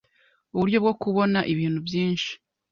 uburyo bwo kubona ibintu byinshi